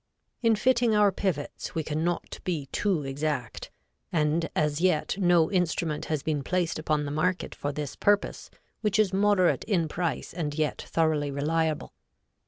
In fitting our pivots, we can not be too exact; and as yet no instrument has been placed upon the market for this purpose which is moderate in price and yet thoroughly reliable.